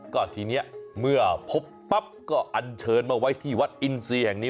ก็ทีนี้เมื่อพบปั๊บก็อันเชิญมาไว้ที่วัดอินซีแห่งนี้